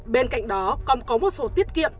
bên cạnh đó còn có một số tiết kiệm